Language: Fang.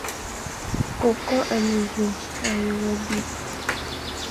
Koko a ne vé, a ye wo bi.